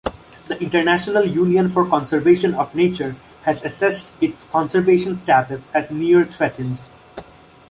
The International Union for Conservation of Nature has assessed its conservation status as "near-threatened".